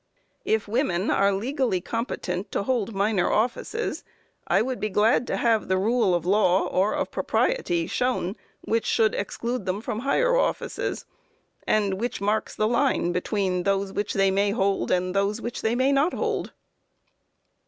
If women are legally competent to hold minor offices, I would be glad to have the rule of law, or of propriety, shown which should exclude them from higher offices, and which marks the line between those which they may and those which they may not hold.